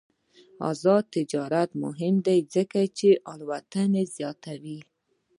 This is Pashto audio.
آزاد تجارت مهم دی ځکه چې الوتنې زیاتوي.